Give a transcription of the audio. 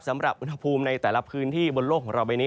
สำหรับอุณหภูมิในแต่ละพื้นที่บนโลกของเราใบนี้